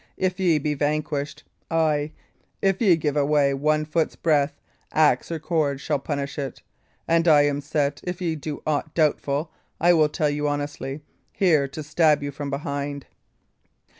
If ye be vanquished ay, if ye give way one foot's breadth axe or cord shall punish it; and I am set if ye do aught doubtful, I will tell you honestly, here to stab you from behind."